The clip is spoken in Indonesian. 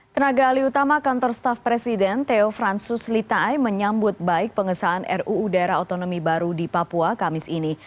tenaga alih utama kantor staff presiden teo fransus litai menyambut baik pengesahan ruu daerah otonomi baru di papua kamis ini